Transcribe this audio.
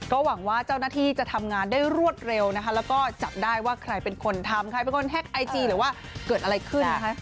ก็หวังว่าเจ้าหน้าที่จะทำงานได้รวดเร็วนะคะแล้วก็จับได้ว่าใครเป็นคนทำใครเป็นคนแฮ็กไอจีหรือว่าเกิดอะไรขึ้นนะคะ